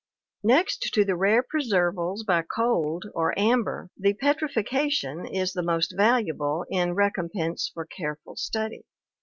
Next to the rare preservals by cold or amber, the petrifaction is the most valuable in recompense for careful study.